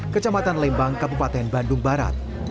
kecamatan lembang kabupaten bandung barat